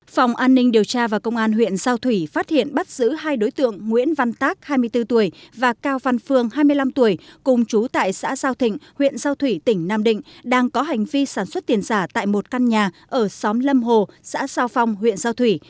phòng an ninh điều tra và công an huyện giao thủy phát hiện bắt giữ hai đối tượng nguyễn văn tác hai mươi bốn tuổi và cao văn phương hai mươi năm tuổi cùng chú tại xã giao thịnh huyện giao thủy tỉnh nam định đang có hành vi sản xuất tiền giả tại một căn nhà ở xóm lâm hồ xã giao phong huyện giao thủy